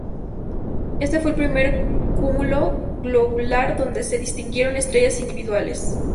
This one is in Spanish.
Este fue el primer cúmulo globular donde se distinguieron estrellas individuales.